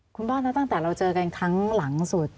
คุณบ้านนะตั้งแต่เราเจอกันครั้งหลังสุด